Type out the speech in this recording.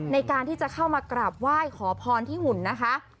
ในการที่จะเข้ามากราบไหว้ขอพรที่หุ่นนะคะ